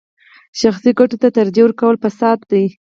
شخصي ګټو ته ترجیح ورکول فساد دی.